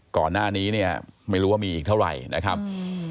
ก่อนหน้านี้เนี่ยไม่รู้ว่ามีอีกเท่าไหร่นะครับ